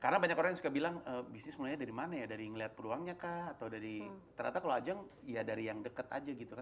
karena banyak orang yang suka bilang bisnis mulainya dari mana ya dari ngelihat peluangnya kah atau dari ternyata kalau ajeng ya dari yang deket aja gitu kan